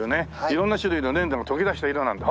色んな種類の粘土が溶け出した色なんだ。